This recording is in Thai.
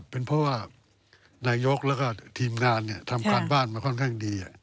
เป็นเพราะว่านายกแล้วก็ทีมงานทำการบ้านมาค่อนข้างดี